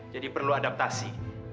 jadi perlu adaptasi